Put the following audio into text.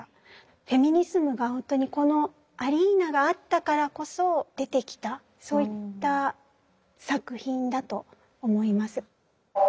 フェミニズムが本当にこのアリーナがあったからこそ出てきたそういった作品だと思います。